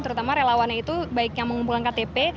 terutama relawannya itu baik yang mengumpulkan ktp